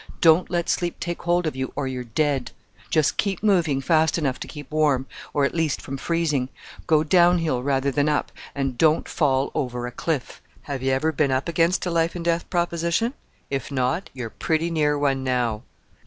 Don't let sleep take hold of you, or you're dead! Just keep moving fast enough to keep warm, or, at least, from freezing; go down hill rather than up; and don't fall over a cliff. Have you ever been up against a life and death proposition? If not, you are pretty near one now."